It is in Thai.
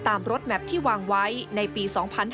รถแมพที่วางไว้ในปี๒๕๕๙